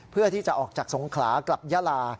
เพื่อที่จะออกจากสงขลากลับยาลา